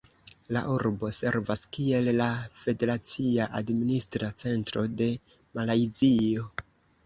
La urbo servas kiel la federacia administra centro de Malajzio.